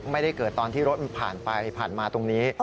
ไม่ได้เกิดตอนที่รถมันผ่านไปผ่านมาตรงนี้